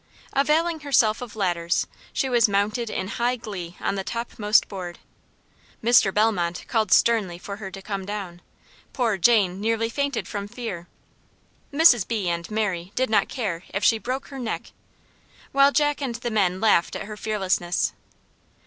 Availing herself of ladders, she was mounted in high glee on the topmost board. Mr. Bellmont called sternly for her to come down; poor Jane nearly fainted from fear. Mrs. B. and Mary did not care if she "broke her neck," while Jack and the men laughed at her fearlessness.